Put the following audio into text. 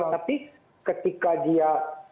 tapi ketika dia